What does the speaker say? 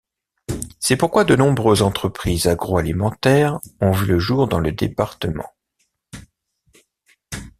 C'est pourquoi de nombreuses entreprises agroalimentaires ont vu le jour dans le département.